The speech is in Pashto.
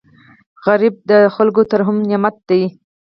سوالګر ته د خلکو ترحم نعمت دی